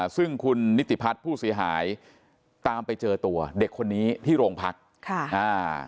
ซึ่งคุณนิติพัฒน์ผู้เสียหายตามไปเจอตัวเด็กคนนี้ที่โรงพักค่ะอ่า